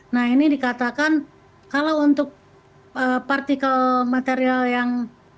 nah ini dikatakan kalau untuk partikel material yang